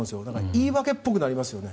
言い訳っぽくなりますよね。